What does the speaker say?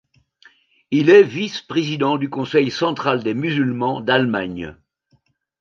Il est vice-président du Conseil central des musulmans d'Allemagne.